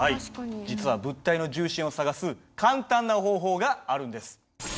実は物体の重心を探す簡単な方法があるんです。